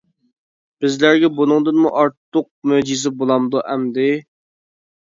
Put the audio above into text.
بىزلەرگە بۇنىڭدىنمۇ ئارتۇق مۆجىزە بولامدۇ ئەمدى!